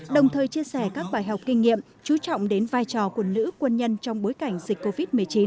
đồng thời chia sẻ các bài học kinh nghiệm chú trọng đến vai trò của nữ quân nhân trong bối cảnh dịch covid một mươi chín